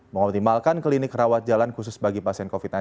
mengoptimalkan klinik rawat jalan khusus bagi pasien covid sembilan belas